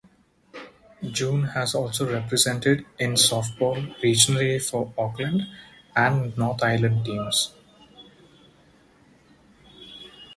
June has also represented in softball regionally for Auckland and North Island teams.